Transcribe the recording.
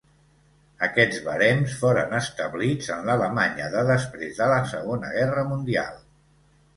Aquests barems foren establits en l'Alemanya de després de la Segona guerra mundial.